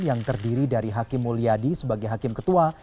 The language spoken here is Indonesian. yang terdiri dari hakim mulyadi sebagai hakim ketua